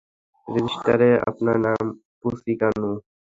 রেজিস্টারে আপনার নামঃ পুচিকানু।